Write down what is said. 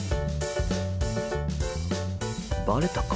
バレたか。